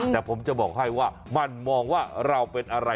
แต่ผมจะบอกให้ว่ามันมองว่าเราเป็นอะไร